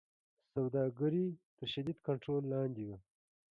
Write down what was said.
سوداګري تر شدید کنټرول لاندې وه.